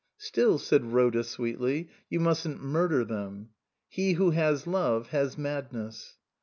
" Still," said Bhoda sweetly, " you mustn't murder them. ' He who has love has madness.'